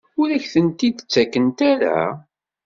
Ur ak-tent-id-ttakent ara?